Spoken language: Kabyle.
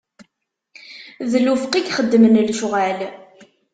D lufeq i yexeddmen lecɣwal.